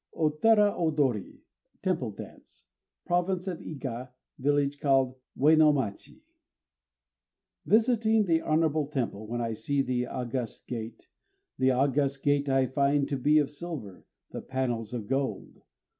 OTERA ODORI (TEMPLE DANCE) (Province of Iga, village called Uenomachi) Visiting the honorable temple, when I see the august gate, The august gate I find to be of silver, the panels of gold.